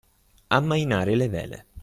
Ammainare le vele.